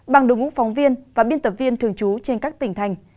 bằng đồng ngũ phóng viên và biên tập viên thường trú trên các tỉnh thành